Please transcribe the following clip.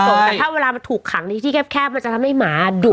แต่ถ้าเวลามันถูกขังในที่แคบมันจะทำให้หมาดุ